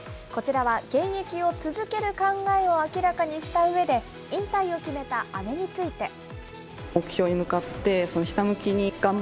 こちらは現役を続ける考えを明らかにしたうえで、引退を決めた姉について。